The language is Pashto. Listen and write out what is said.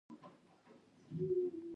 ایا د خصیو درد لرئ؟